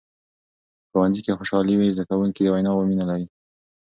که په ښوونځي کې خوشحالي وي، زده کوونکي د ویناوو مینه لري.